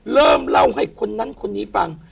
เริ่มเล่าให้คนนั้นคนนี้ฟัง